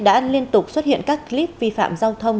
đã liên tục xuất hiện các clip vi phạm giao thông